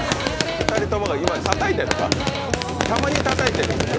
２人ともが今たたいてるのか？